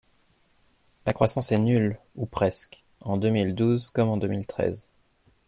La croissance est nulle, ou presque, en deux mille douze comme en deux mille treize.